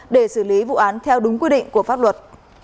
để xử lý vụ án theo đúng quy định của pháp luật